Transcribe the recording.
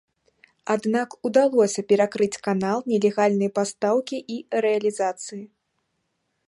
Аднак удалося перакрыць канал нелегальнай пастаўкі і рэалізацыі.